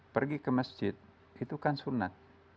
pergi ke masjid itu kan sunat